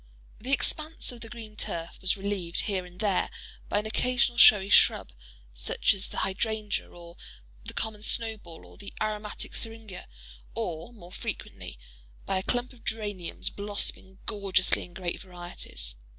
The expanse of the green turf was relieved, here and there, by an occasional showy shrub, such as the hydrangea, or the common snowball, or the aromatic seringa; or, more frequently, by a clump of geraniums blossoming gorgeously in great varieties.